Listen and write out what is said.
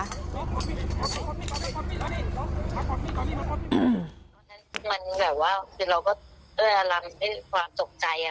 ตอนนั้นมันแบบว่าเราก็ด้วยอารมณ์ได้ความตกใจค่ะ